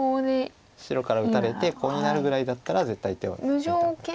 白から打たれてコウになるぐらいだったら絶対手を抜いた方が。